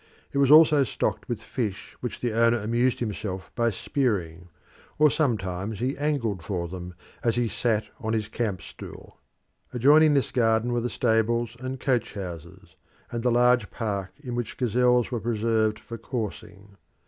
It was also stocked with fish which the owner amused himself by spearing: or sometimes he angled for them as he sat on his camp stool. Adjoining this garden were the stables and coach houses, and a large park in which gazelles were preserved for coursing.